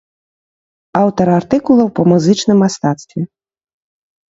Аўтар артыкулаў па музычным мастацтве.